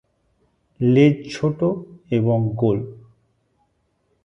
লেজ ছোট এবং গোল।